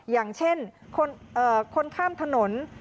อย่างเช่นคนข้ามถนน